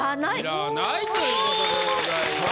要らないということでございます。